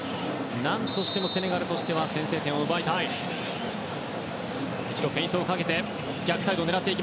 何としてもセネガルとしては先制点を奪いたい。